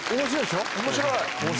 面白い。